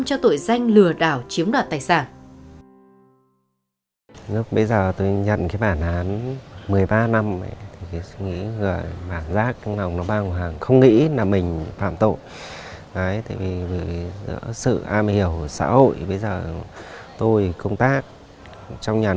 cho tội danh lừa đảo chiếm đoạt tài sản